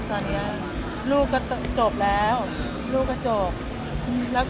สิ่งที่เขาจบแล้ว